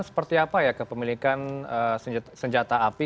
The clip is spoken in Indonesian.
seperti apa ya kepemilikan senjata api